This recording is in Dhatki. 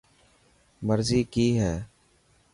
مرضي ڪئي هي؟